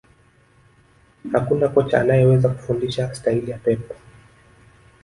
Hakuna kocha anayeweza kufundisha staili ya Pep